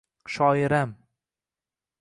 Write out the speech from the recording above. Shoiram!